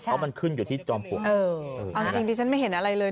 เพราะมันขึ้นอยู่ที่จอมปลวกเออเอาจริงดิฉันไม่เห็นอะไรเลย